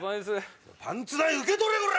パンツ代受け取れ！